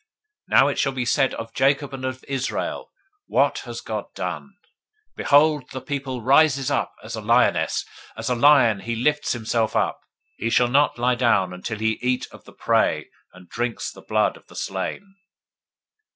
Now it shall be said of Jacob and of Israel, What has God done! 023:024 Behold, the people rises up as a lioness, As a lion he lifts himself up. He shall not lie down until he eat of the prey, and drinks the blood of the slain.